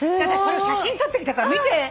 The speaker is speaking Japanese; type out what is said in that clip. それを写真撮ってきたから見て。